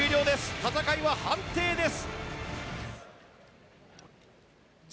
戦いは判定です。